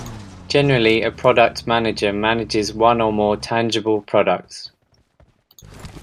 Generally, a product manager manages one or more tangible products.